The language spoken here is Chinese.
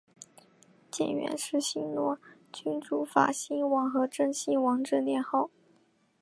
建元是新罗君主法兴王和真兴王之年号。